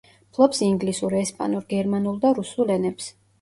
ფლობს ინგლისურ, ესპანურ, გერმანულ და რუსულ ენებს.